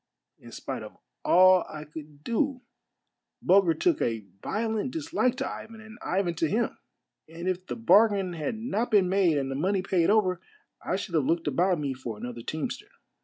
In spite of all I could do Bulger took a violent dislike to Ivan and Ivan to him ; and if the bargain had not been made and the money paid over, I should have looked about me for another teamster.